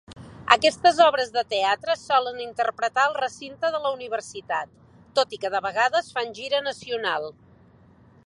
Aquestes obres de teatre es solen interpretar al recinte de la universitat, tot i que de vegades fan gira nacional.